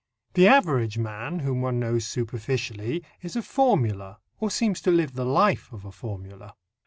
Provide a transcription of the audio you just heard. The average man, whom one knows superficially, is a formula, or seems to live the life of a formula.